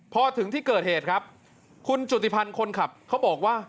พอถึงที่เกิดเหตุครับคุณจุติพันธ์คนขับเขาบอกว่า